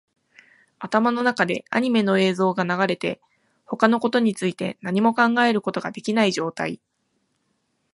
頭の中でアニメの映像が流れて、他のことについて何も考えることができない状態